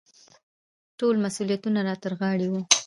ټول مسوولیتونه را ترغاړې وو.